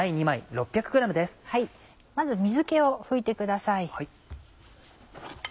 まず水気を拭いてください。